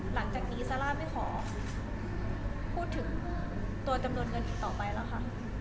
หลังจากนี้ซาร่าไม่ขอพูดถึงตัวจำนวนเงินอีกต่อไปแล้วค่ะ